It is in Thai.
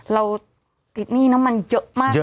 เราติดหนี้น้ำมันเยอะมาก